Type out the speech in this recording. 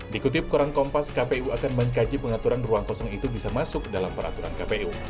dikutip koran kompas kpu akan mengkaji pengaturan ruang kosong itu bisa masuk dalam peraturan kpu